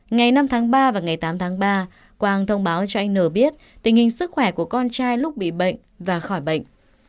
ngày năm tháng ba và ngày tám tháng ba quang thông báo cho anh n biết tình hình sức khỏe của con trai lúc bị bệnh và khỏi bệnh